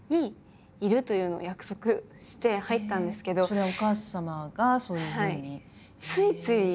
それはお母様がそういうふうに。